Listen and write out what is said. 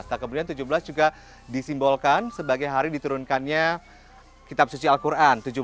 nah kemudian tujuh belas juga disimbolkan sebagai hari diturunkannya kitab suci al quran